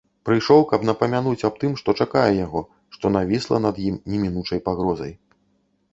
Прыйшоў, каб напамянуць аб тым, што чакае яго, што навісла над ім немінучай пагрозай.